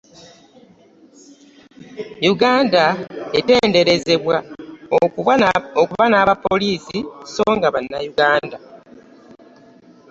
Uganda eteeberezebwa okuba n’abapoliisi so nga ba nnauganda.